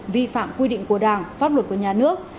vi phạm quy định của đảng pháp luật của nhà nước